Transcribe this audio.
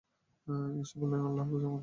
ঈস বললেনঃ আল্লাহর কসম, আমি আসিনি।